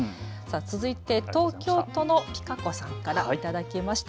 続いて東京都のぴか子さんから頂きました。